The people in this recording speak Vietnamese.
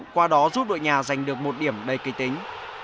qua đó giúp đội nhà giành được một điểm đầy kỳ tính